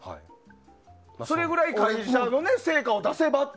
それくらい会社の成果を出せば。